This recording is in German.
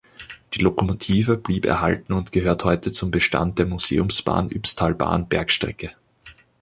Die Lokomotive blieb erhalten und gehört heute zum Bestand der Museumsbahn Ybbsthalbahn-Bergstrecke.